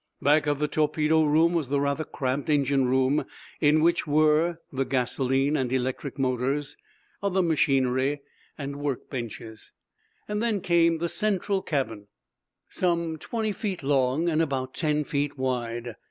Back of the torpedo room was the rather cramped engine room in which were the gasoline and electric motors, other machinery and work benches. Then came the central cabin, some twenty feet long and about ten feet wide.